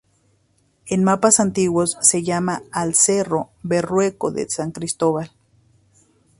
En mapas antiguos se llama al cerro "Berrueco de San Cristóbal".